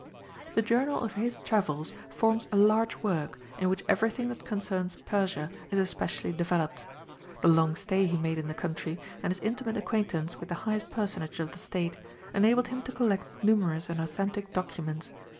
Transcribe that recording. The journal of his travels forms a large work, in which everything that concerns Persia is especially developed. The long stay he made in the country and his intimate acquaintance with the highest personages of the state enabled him to collect numerous and authentic documents.